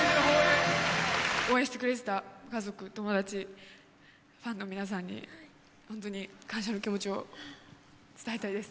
応援してくれてた家族、友達、ファンの皆さんに本当に感謝の気持ちを伝えたいです。